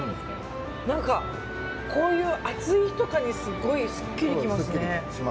何かこういう暑い日とかにすごいすっきりきますね。